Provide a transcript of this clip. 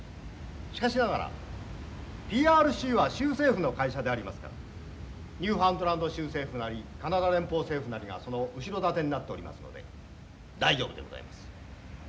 しかしながらＰＲＣは州政府の会社でありますからニューファンドランド州政府なりカナダ連邦政府なりがその後ろ盾になっておりますので大丈夫でございます。